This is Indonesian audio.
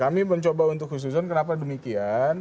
kami mencoba untuk khusus kenapa demikian